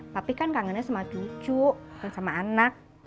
tapi kan kangennya sama cucu sama anak